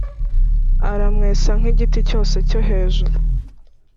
aramwesa nk’igiti cyose cyo hejuru